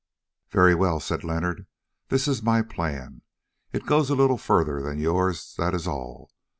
"Very well," said Leonard. "This is my plan; it goes a little further than yours, that is all.